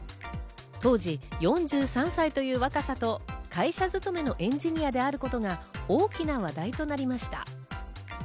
当時４３歳という若さと、会社勤めのエンジニアであることが大きな話題となりました。